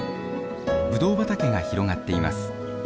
ブドウ畑が広がっています。